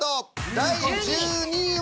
第１２位は。